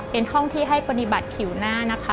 เป็นห้องที่ให้ปฏิบัติผิวหน้านะคะ